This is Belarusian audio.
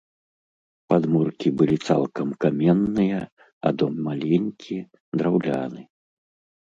Падмуркі былі цалкам каменныя, а дом маленькі, драўляны.